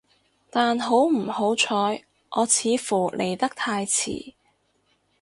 但好唔好彩，我似乎嚟得太遲